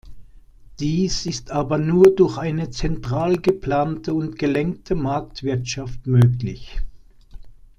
Dies ist aber nur durch eine zentral geplante und gelenkte Marktwirtschaft möglich.